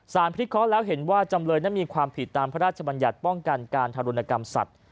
พิเคราะห์แล้วเห็นว่าจำเลยนั้นมีความผิดตามพระราชบัญญัติป้องกันการทารุณกรรมสัตว